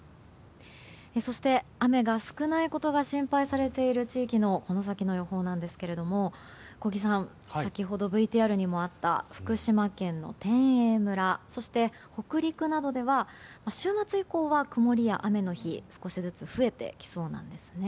そして、雨が少ないことが心配されている地域のこの先の予報なんですが小木さん先ほどＶＴＲにもあった福島県の天栄村そして、北陸などでは週末以降は曇りや雨の日が少しずつ増えてきそうなんです。